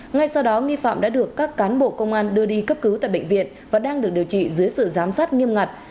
ngay sau đó nghi phạm đã được các cán bộ công an đưa đi cấp cứu tại bệnh viện và đang được điều trị dưới sự giám sát nghiêm ngặt